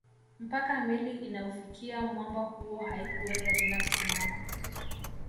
Mpaka meli inaufikia mwamba huo haikuweza tena kusimama